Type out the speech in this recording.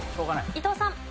伊藤さん。